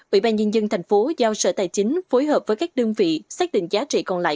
ủy ban nhân dân tp hcm giao sở tài chính phối hợp với các đơn vị xác định giá trị còn lại